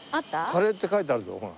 「カレー」って書いてあるぞほら。